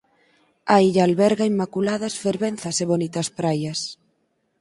A illa alberga inmaculadas fervenzas e bonitas praias.